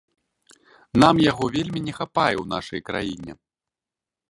Нам яго вельмі не хапае ў нашай краіне.